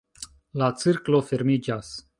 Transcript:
La cirklo fermiĝas!